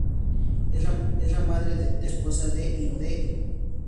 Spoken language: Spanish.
Es la madre de Teppei y esposa de Hiromi.